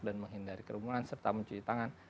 dan menghindari kerumunan serta mencuci tangan